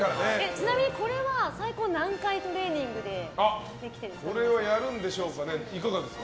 ちなみにこれは最高何回トレーニングでやるんでしょうかね。